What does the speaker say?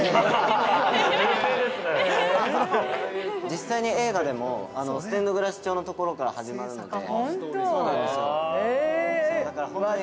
◆実際に映画でもステンドグラス調のところから始まるので。